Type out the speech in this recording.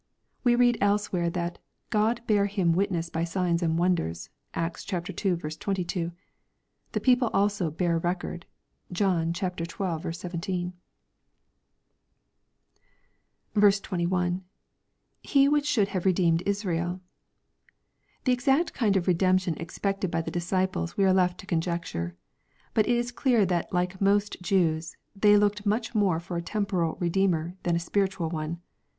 — We read elsewhere that " God bare him witness by signs and wonders." (Acts iL 22.) The people also " bare record." (John xii. 17.) 21. — [He which should have redeemed Israel,] The exact kind of re demption expected by tlie disciples we are left to conjecture. But it is clear that like most Jews, they looked much more for a tem poral Redeemer than a spiritual one.